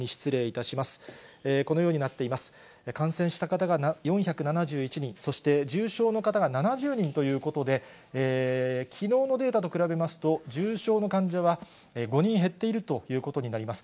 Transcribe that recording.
感染した方が４７１人、そして重症の方が７０人ということで、きのうのデータと比べますと、重症の患者は５人減っているということになります。